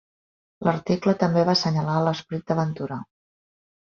L'article també va assenyalar l'esperit d'aventura.